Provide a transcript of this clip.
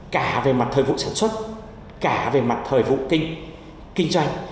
cả về mặt thời vụ sản xuất cả về mặt thời vụ kinh doanh